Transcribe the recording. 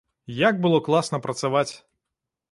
Як было класна працаваць!